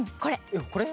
これ。